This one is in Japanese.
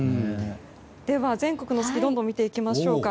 では、全国の月どんどん見ていきましょうか。